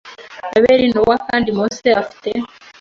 Abeli Nowa kandi Mose afite